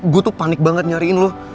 gue tuh panik banget nyariin lu